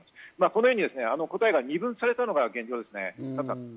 このように答えが二分されたのが現状です。